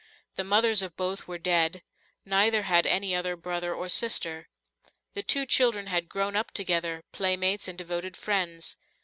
The mothers of both were dead; neither had any other brother or sister. The two children had grown up together, playmates and devoted friends.